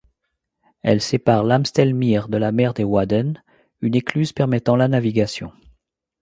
Elle sépare l'Amstelmeer de la mer des Wadden, une écluse permettant la navigation.